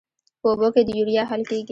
په اوبو کې د یوریا حل کیږي.